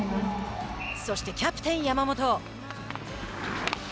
そしてキャプテン山本。